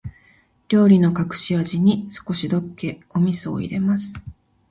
料理の隠し味に、少しだけお味噌を入れます。